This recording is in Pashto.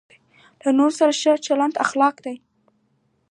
له نورو سره ښه چلند اخلاق دی.